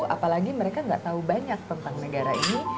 apalagi mereka nggak tahu banyak tentang negara ini